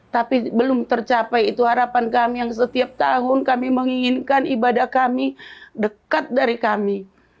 tapi belum tercapai itu harapan kami yang setiap tahun kami menginginkan ibadah kami dekat dari kami